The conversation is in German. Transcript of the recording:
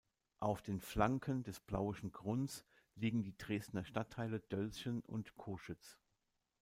Auf den Flanken des Plauenschen Grunds liegen die Dresdner Stadtteile Dölzschen und Coschütz.